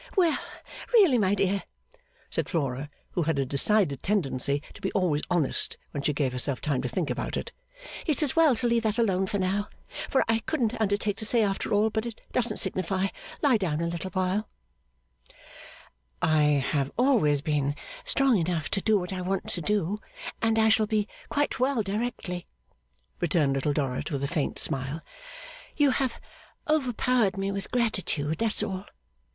'Well really my dear,' said Flora, who had a decided tendency to be always honest when she gave herself time to think about it, 'it's as well to leave that alone now, for I couldn't undertake to say after all, but it doesn't signify lie down a little!' 'I have always been strong enough to do what I want to do, and I shall be quite well directly,' returned Little Dorrit, with a faint smile. 'You have overpowered me with gratitude, that's all.